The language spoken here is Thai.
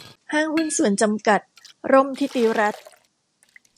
ห้างหุ้นส่วนจำกัด ร่มธิติรัตน์